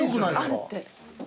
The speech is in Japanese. あるって。